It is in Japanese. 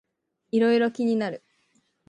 いろいろ気になる